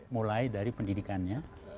mulai dari pendidikannya